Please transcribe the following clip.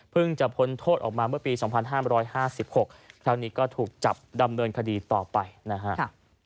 จะพ้นโทษออกมาเมื่อปี๒๕๕๖ครั้งนี้ก็ถูกจับดำเนินคดีต่อไปนะครับ